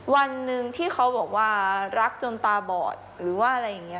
วันหนึ่งที่เขาบอกว่ารักจนตาบอดหรือว่าอะไรอย่างนี้